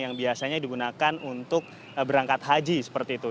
yang biasanya digunakan untuk berangkat haji seperti itu